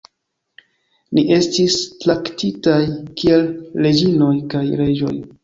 Ni estis traktitaj kiel reĝinoj kaj reĝoj